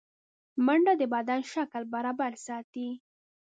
منډه د بدن شکل برابر ساتي